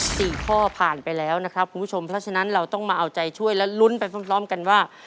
สี่ข้อผ่านไปแล้วนะครับคุณผู้ชมเพราะฉะนั้นเราต้องมาเอาใจช่วยและลุ้นไปพร้อมพร้อมกันว่า